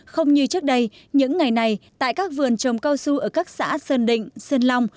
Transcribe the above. không như trước đây những ngày này tại các vườn trồng cao su ở các xã sơn định sơn long